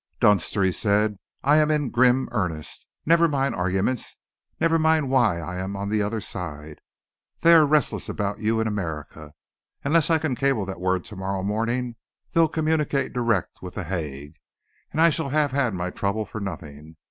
"Dunster," he said, "I am in grim earnest. Never mind arguments. Never mind why I am on the other side. They are restless about you in America. Unless I can cable that word to morrow morning, they'll communicate direct with The Hague, and I shall have had my trouble for nothing.